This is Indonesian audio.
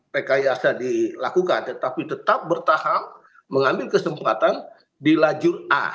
rekayasa dilakukan tetapi tetap bertahap mengambil kesempatan di lajur a